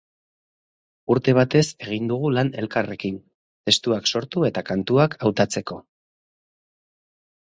Urte batez egin dugu lan elkarrekin, testuak sortu eta kantuak hautatzeko.